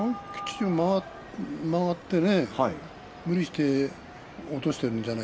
曲がって無理して落としているんじゃない？